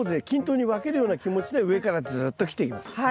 均等に分けるような気持ちで上からずっと切っていきます。